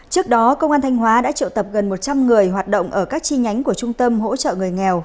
trước đó công an thanh hóa đã triệu tập gần một trăm linh người hoạt động ở các chi nhánh của trung tâm hỗ trợ người nghèo